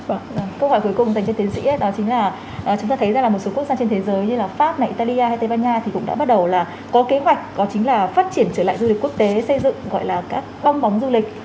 và câu hỏi cuối cùng dành cho tiến sĩ đó chính là chúng ta thấy rằng là một số quốc gia trên thế giới như là pháp này italia hay tây ban nha thì cũng đã bắt đầu là có kế hoạch đó chính là phát triển trở lại du lịch quốc tế xây dựng gọi là các bong bóng du lịch